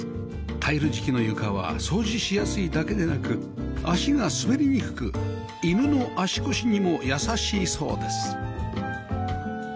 タイル敷きの床は掃除しやすいだけでなく足が滑りにくく犬の足腰にも優しいそうです